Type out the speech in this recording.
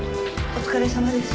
お疲れさまです。